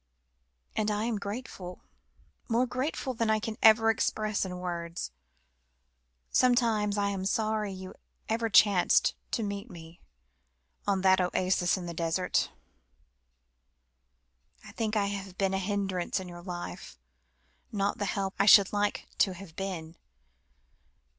"And I am grateful, more grateful than I can ever express in words. Sometimes I am sorry you ever chanced to meet me, on that oasis in the desert. I think I have been a hindrance in your life, not the help I should like to have been.